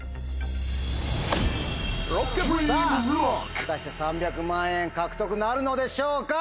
果たして３００万円獲得なるのでしょうか？